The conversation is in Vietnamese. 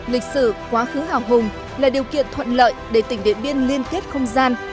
lịch sử quá khứ hào hùng là điều kiện thuận lợi để tỉnh điện biên liên kết không gian